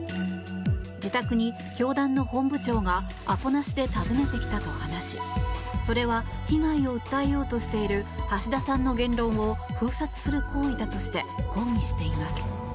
自宅に教団の本部長がアポなしで訪ねてきたと話しそれは被害を訴えようとしている橋田さんの言論を封殺する行為だとして抗議しています。